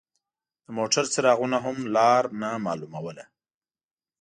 د موټر څراغونو هم لار نه مالوموله.